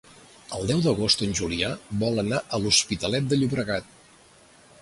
El deu d'agost en Julià vol anar a l'Hospitalet de Llobregat.